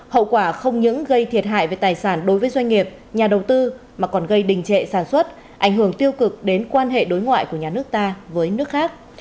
hậu quả không những gây thiệt hại về tài sản đối với doanh nghiệp nhà đầu tư mà còn gây đình trệ sản xuất ảnh hưởng tiêu cực đến quan hệ đối ngoại của nhà nước ta với nước khác